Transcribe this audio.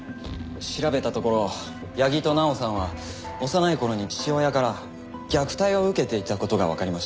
調べたところ矢木と奈緒さんは幼い頃に父親から虐待を受けていた事がわかりました。